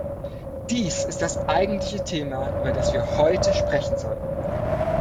Dies ist das eigentliche Thema, über das wir heute sprechen sollten.